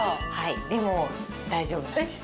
でも大丈夫なんです。